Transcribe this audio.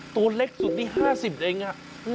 ตัวเล็กสุดนี่๕๐เครียม